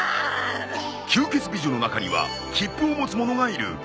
吸血美女の中には切符を持つ者がいる。